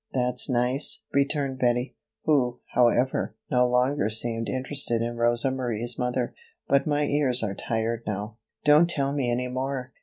"That's nice," returned Bettie, who, however, no longer seemed interested in Rosa Marie's mother. "But my ears are tired now; don't tell me any more."